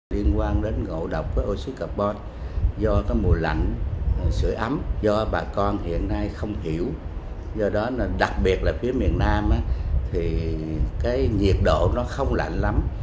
liên quan đến ngộ độc với oxy carbot do mùa lạnh sửa ấm do bà con hiện nay không hiểu do đó đặc biệt là phía miền nam thì nhiệt độ không lạnh lắm